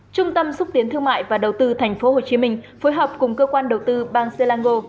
trung tâm xúc tiến thương mại và đầu tư thành phố hồ chí minh phối hợp cùng cơ quan đầu tư bang selangor